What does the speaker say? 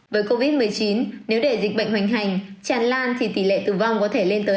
với covid một mươi chín nếu để dịch bệnh hoành hành tràn lan thì tỷ lệ tử vong có thể lên tới